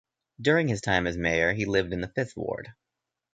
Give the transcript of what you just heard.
During his time as mayor he lived in the Fifth Ward.